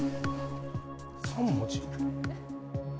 ３文字？